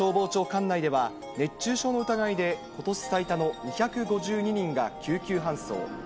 管内では、熱中症の疑いでことし最多の２５２人が救急搬送。